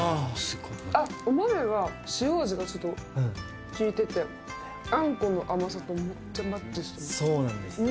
あっ、お豆の塩味がちょっと効いてて、あんこの甘さとめっちゃマッチしそうなんです。